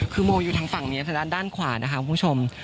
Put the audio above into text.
คือโมอยู่ทางฝั่งนี้ทางด้านขวานะคะคุณผู้ชม